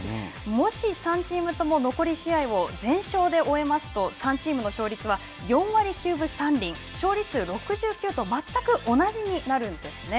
もし３チームとも残り試合を全勝で終えますと、３チームの勝率は４割９分３厘、勝利数６９と全く同じになるんですね。